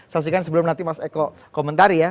saksikan sebelum nanti mas eko komentari ya